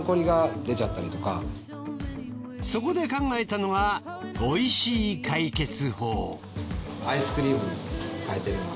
そこで考えたのがおいしい解決法。